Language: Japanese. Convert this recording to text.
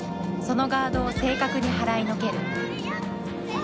そのガードを正確に払いのける。